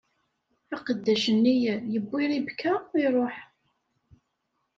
Aqeddac-nni yewwi Ribka, iṛuḥ.